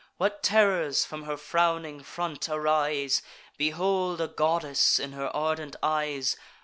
What terrors from her frowning front arise! Behold a goddess in her ardent eyes!